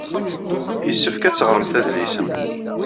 Yessefk ad teɣremt adlis-a.